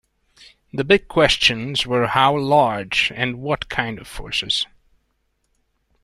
The big questions were how large and what kind of forces.